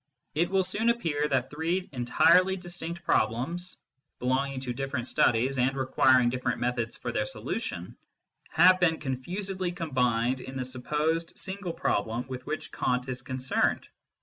It will soon appear that three entirely distinct problems, belonging to different studies, and requiring different methods for their solution, have been confusedly combined in the supposed single problem with which Kant is concerned.